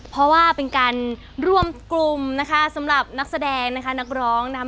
เพราะว่าเป็นการรวมกลุ่มนะคะสำหรับนักแสดงนะคะนักร้องนะคะ